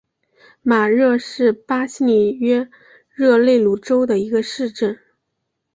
马热是巴西里约热内卢州的一个市镇。